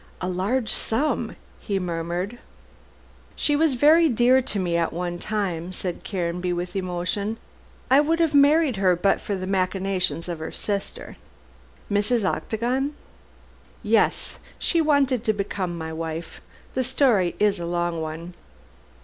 "A large sum," he murmured. "She was very dear to me at one time," said Caranby with emotion. "I would have married her but for the machinations of her sister." "Mrs. Octagon?" "Yes! She wanted to become my wife. The story is a long one."